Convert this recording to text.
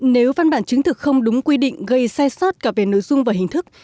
nếu văn bản chứng thực không đúng quy định gây sai sót cả về nội dung và hình thức